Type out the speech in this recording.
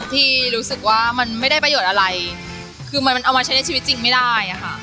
ที่รู้สึกว่ามันไม่ได้ประโยชน์อะไรคือมันเอามาใช้ในชีวิตจริงไม่ได้อะค่ะ